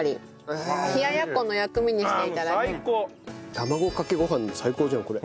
卵かけご飯も最高じゃんこれ。